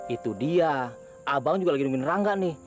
itu dia abang juga lagi nungguin rangga nih